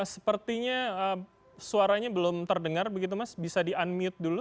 sepertinya suaranya belum terdengar begitu mas bisa di unmute dulu